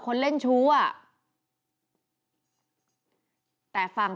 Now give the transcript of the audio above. แป๊บหนึ่ง